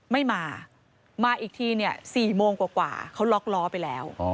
ไม่มามาอีกทีเนี่ย๔โมงกว่าเขาล็อกล้อไปแล้ว